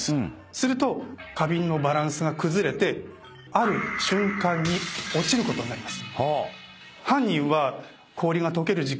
すると花瓶のバランスが崩れてある瞬間に落ちることになります。